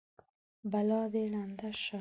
بلا دې ړنده شه!